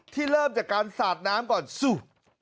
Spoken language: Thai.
เริ่มจากการสาดน้ำก่อนสูบ